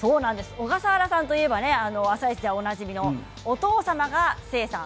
小笠原さんといえば「あさイチ」でもおなじみお父様は誓さん